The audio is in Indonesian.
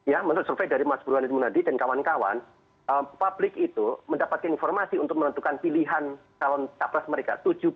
ya menurut survei dari mas burhani munadi dan kawan kawan publik itu mendapatkan informasi untuk menentukan pilihan calon capres mereka